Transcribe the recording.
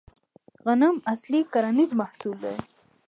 غنم اصلي کرنیز محصول دی